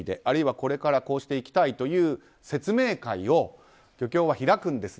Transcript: これからこうしていきたいという説明会を漁協は開くんですね。